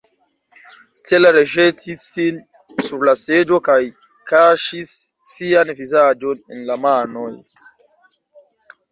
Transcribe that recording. Stella reĵetis sin sur la seĝon kaj kaŝis sian vizaĝon en la manoj.